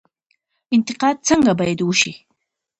انتقاد څنګه باید وشي؟